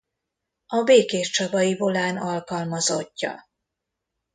A Békéscsabai Volán alkalmazottja.